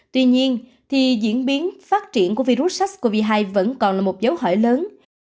tuy nhiên thì diễn biến phát triển của virus sars cov hai vẫn còn là một dấu hỏi lớn